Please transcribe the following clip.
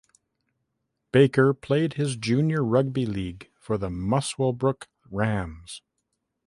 Baker played his junior rugby league for the Muswellbrook Rams.